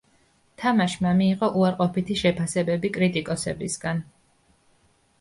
თამაშმა მიიღო უარყოფითი შეფასებები კრიტიკოსებისგან.